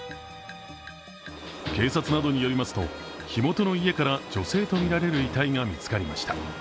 警察などによりますと火元の家から女性とみられる遺体が見つかりました。